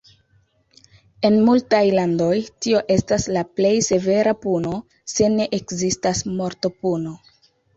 En multaj landoj tio estas la plej severa puno, se ne ekzistas mortopuno.